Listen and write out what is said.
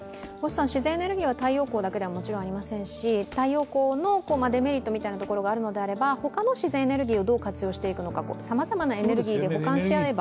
自然エネルギーは太陽光だけではありませんし、太陽光のデメリットがあるのであれば他の自然エネルギーをどう活用していくのか、さまざまなエネルギーで補完し合えば。